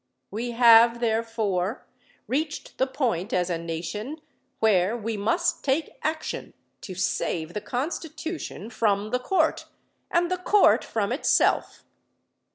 We have, therefore, reached the point as a nation where we must take action to save the Constitution from the Court and the Court from itself.